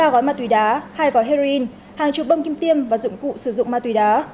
ba gói ma túy đá hai gói heroin hàng chục bông kim tiêm và dụng cụ sử dụng ma túy đá